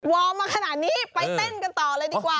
วอร์มมาขนาดนี้ไปเต้นกันต่อเลยดีกว่า